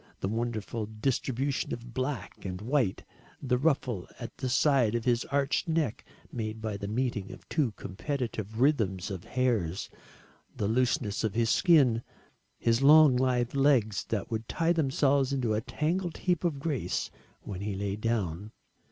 The wonderful distribution of black and white, the ruffle at the side of his arched neck made by the meeting of two competitive rhythms of hairs, the looseness of his skin, his long lithe legs that would tie themselves into a tangled heap of grace when he lay down.